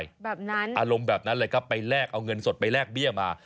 แบบนั้นอารมณ์แบบนั้นเลยครับไปแลกเอาเงินสดไปแลกเบี้ยมา